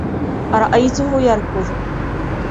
رأيته يركض.